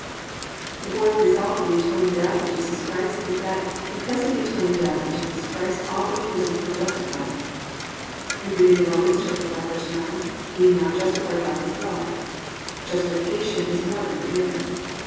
4. The fourth result of the atoning death of Jesus Christ is that because of the atoning death of Jesus Christ all believers in Him are justified. We read in Rom. 5:9, +"Being now justified by His blood."+ Justification is more than forgiveness.